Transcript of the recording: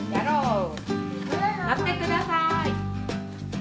のってください。